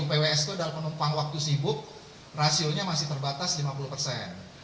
upws itu adalah penumpang waktu sibuk rasionya masih terbatas lima puluh persen